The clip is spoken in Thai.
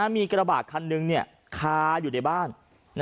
มีกระบาดคันหนึ่งคาอยู่ในบ้าน